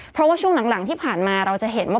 เพราะว่าช่วงหลังที่ผ่านมา